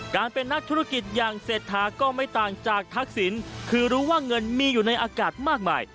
การเป็นนักธุรกิจอย่างเศรษฐาก็ไม่ต่างจากทักษิณคือรู้ว่าเงินมีอยู่ในอากาศมากมาย